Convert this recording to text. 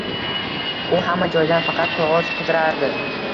U hamma joydan faqat qog’oz qidirardi.